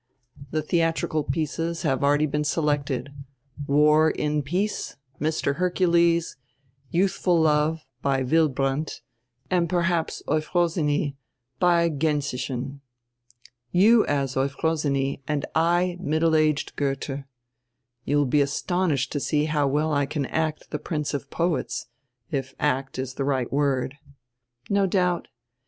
The dieatrical pieces have already been selected — War in Peace, Mr. Hercules, Youthful Love, by Wilbrandt, and perhaps Euphrosyne, by Gensichen. You as Euphrosyne and I middle aged Goedie. You will be astonished to see how well I can act die prince of poets, if act is die right word." "No doubt.